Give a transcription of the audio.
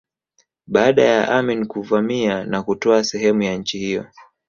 Baada ya Amin kuvamia na kutwaa sehemu ya nchi hiyo